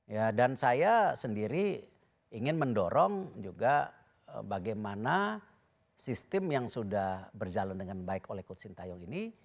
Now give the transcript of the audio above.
ya dan saya sendiri ingin mendorong juga bagaimana sistem yang sudah berjalan dengan baik oleh coach sintayong ini